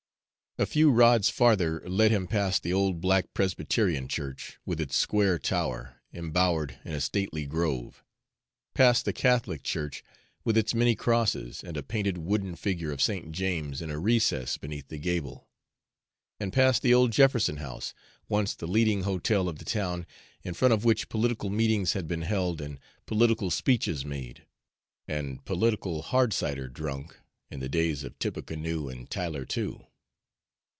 A few rods farther led him past the old black Presbyterian church, with its square tower, embowered in a stately grove; past the Catholic church, with its many crosses, and a painted wooden figure of St. James in a recess beneath the gable; and past the old Jefferson House, once the leading hotel of the town, in front of which political meetings had been held, and political speeches made, and political hard cider drunk, in the days of "Tippecanoe and Tyler too."